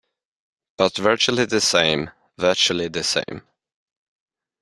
But virtually the same, virtually the same.